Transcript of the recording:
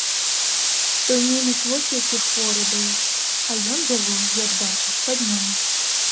Той немец вось які хворы быў, а ён яго, як бачыш, падняў.